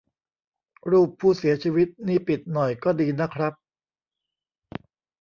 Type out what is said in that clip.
รูปผู้เสียชีวิตนี่ปิดหน่อยก็ดีนะครับ